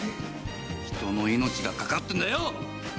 人の命がかかってるんだよ！